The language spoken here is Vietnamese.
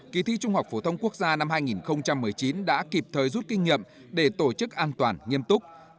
kỳ thi trung học phổ thông quốc gia năm hai nghìn một mươi chín đã kịp thời rút kinh nghiệm để tổ chức an toàn nghiêm túc